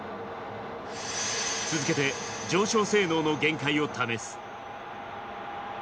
続けて、上昇性能の限界を試す。